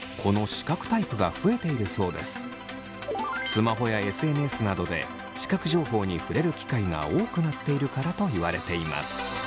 スマホやＳＮＳなどで視覚情報に触れる機会が多くなっているからといわれています。